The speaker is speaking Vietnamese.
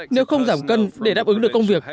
nếu không giảm cân để đáp ứng được công việc